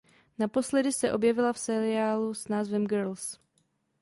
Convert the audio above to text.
Naposledy se objevila v seriálu s názvem "Girls".